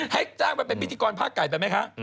ให้จ้างไปเป็นพิธีกรภาคไก่ไปไหมคะ